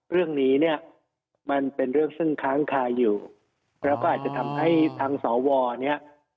เรื่องนี้เนี่ยมันเป็นเรื่องซึ่งค้างคาอยู่แล้วก็อาจจะทำให้ทางสวเนี่ย